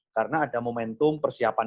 karena ada momentum persiapan